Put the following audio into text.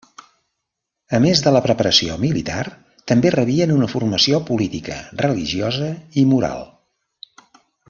A més de la preparació militar, també rebien una formació política, religiosa i moral.